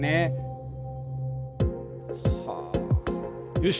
よし。